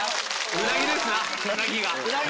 うなぎですな！